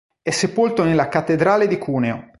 È sepolto nella cattedrale di Cuneo.